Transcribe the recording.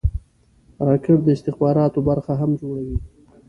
راکټ د استخباراتو برخه هم جوړوي